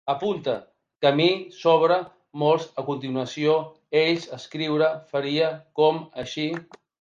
Apunta: camí, sobre, molts, a continuació, ells, escriure, faria, com, així